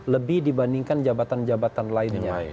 lebih dibandingkan jabatan jabatan lainnya